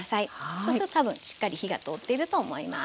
そうすると多分しっかり火が通っていると思います。